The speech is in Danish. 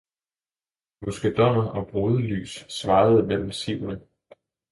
muskedonner og brudelys svajede mellem sivene.